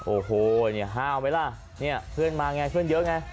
โอ้โหเนี่ยห้าวไหมล่ะเนี่ยเพื่อนมาไงเพื่อนเยอะไง